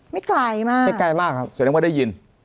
ไม่ไกลมากไม่ไกลมากครับแสดงว่าได้ยิน